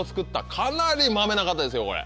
かなりまめな方ですよこれ。